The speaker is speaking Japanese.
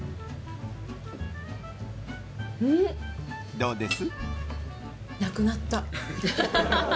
どうです？